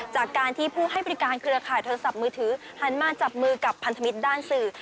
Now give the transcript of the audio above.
จากการที่ผู้ให้บริการเครือข่ายโทรศัพท์มือถือหันมาจับมือกับพันธมิตรด้านสื่อ